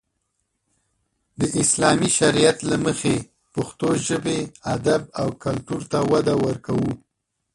د اسلامي شريعت له مخې پښتو ژبې، ادب او کلتور ته وده ورکو.